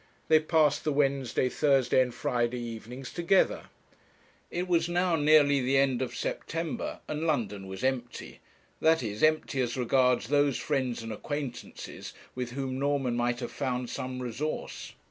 They passed the Wednesday, Thursday, and Friday evenings together. It was now nearly the end of September, and London was empty; that is, empty as regards those friends and acquaintances with whom Norman might have found some resource.